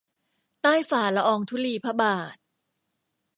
ใต้ฝ่าละอองธุลีพระบาท